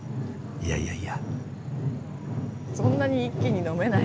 いやいやいやいや。